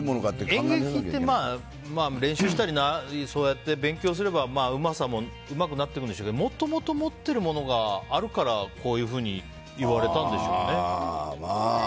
演劇って、練習したりそうやって勉強すればうまくなっていくんでしょうけどもともと持ってるものがあるからこういうふうに言われたんでしょうね。